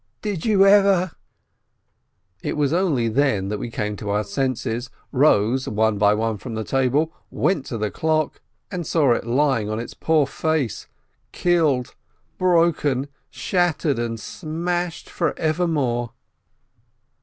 Did you ever ?!" It was only then we came to our senses, rose one by one from the table, went to the clock, and saw it lying 124 SHOLOM ALECHEM on its poor face, killed, broken, shattered, and smashed for evermore